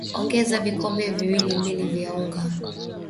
ongeza vikombe viwili mbili vya unga